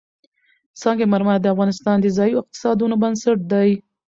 سنگ مرمر د افغانستان د ځایي اقتصادونو بنسټ دی.